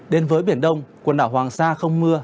đến với biển đông quần đảo hoàng sa không mưa